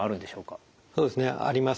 そうですねあります。